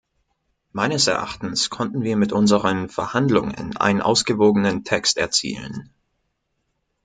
Meines Erachtens konnten wir mit unseren Verhandlungen einen ausgewogenen Text erzielen.